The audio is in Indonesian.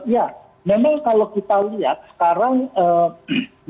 ya memang kalau kita lihat sekarang yang jadi pertanyaan terakhir